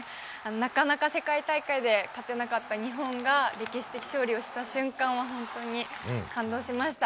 なかなか世界大会で勝てなかった日本が、歴史的勝利をした瞬間は本当に感動しました。